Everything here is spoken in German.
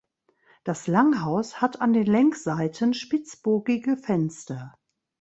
Das Langhaus hat an den Längsseiten spitzbogige Fenster.